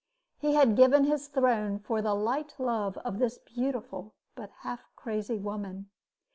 He had given his throne for the light love of this beautiful but half crazy woman.